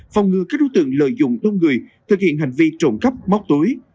phòng ngừa các đối tượng lợi dụng tôn người thực hiện hành vi trộn cấp móc túi